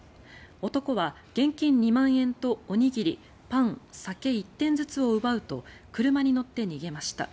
男は現金２万円とおにぎり、パン、酒１点ずつを奪うと車に乗って逃げました。